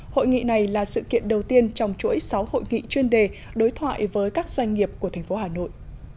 hội nghị này là sự kiện đầu tiên trong chuỗi sáu hội nghị chuyên đề đối thoại với các doanh nghiệp của thành phố hà nội